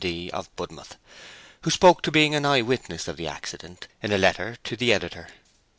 D., of Budmouth, who spoke to being an eyewitness of the accident, in a letter to the editor.